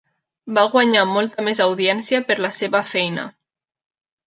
Va guanyar molta més audiència per la seva feina.